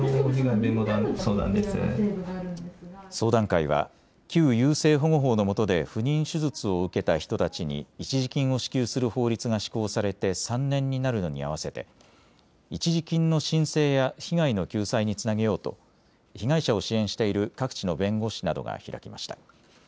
相談会は旧優生保護法のもとで不妊手術を受けた人たちに一時金を支給する法律が施行されて３年になるのに合わせて一時金の申請や被害の救済につなげようと被害者を支援している各地の弁護士などが開きました。